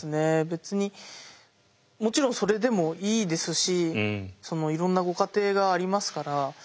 別にもちろんそれでもいいですしいろんなご家庭がありますから。